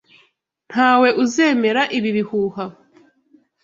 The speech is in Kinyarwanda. Ntawe uzemera ibi bihuha.